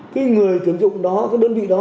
cái người tuyển dụng đó cái đơn vị đó